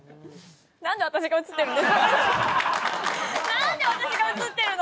何で私が映ってるの！